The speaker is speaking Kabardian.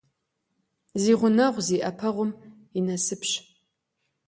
Зи гъунэгъу зи Iэпэгъум и насыпщ.